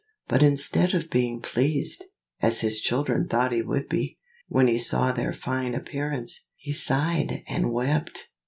But instead of being pleased, as his children thought he would be, when he saw their fine appearance, he sighed and wept.